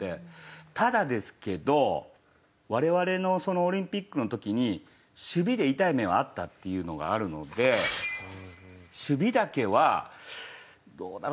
ただですけど我々のオリンピックの時に守備で痛い目に遭ったっていうのがあるので守備だけはどうだろう？